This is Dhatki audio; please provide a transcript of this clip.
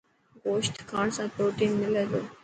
گوشت کاڻ سان پروٽين ملي ٿو.